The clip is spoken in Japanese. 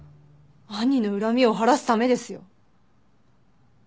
兄の恨みを晴らすためですよ。